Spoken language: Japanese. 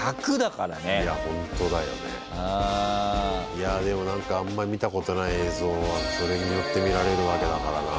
いやでも何かあんまり見たことない映像がそれによって見られるわけだからな。